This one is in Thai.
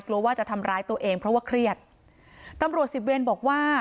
กลัวว่าจะทำร้ายตัวเองเพราะว่าเครียดตำรวจสิบเวรบอกว่า